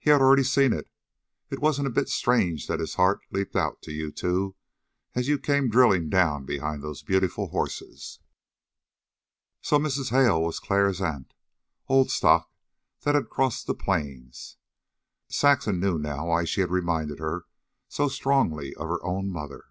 He had already seen it. It wasn't a bit strange that his heart leaped out to you two as you came drilling down behind those beautiful horses." So Mrs. Hale was Clara's aunt old stock that had crossed the Plains. Saxon knew now why she had reminded her so strongly of her own mother.